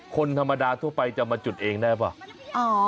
คนธรรมดาทั่วไปจะมาจุดเองได้ป่ะ